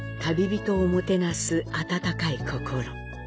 旅人をもてなす温かい心。